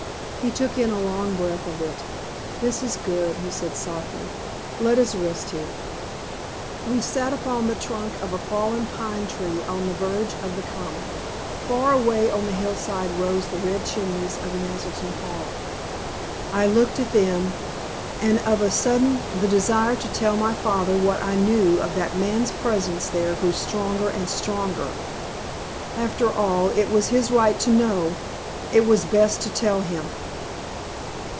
He took in a long breath of it. "This is good," he said, softly. "Let us rest here." We sat upon the trunk of a fallen pine tree on the verge of the common. Far away on the hillside rose the red chimneys of Naselton Hall. I looked at them, and of a sudden the desire to tell my father what I knew of that man's presence there grew stronger and stronger. After all it was his right to know. It was best to tell him.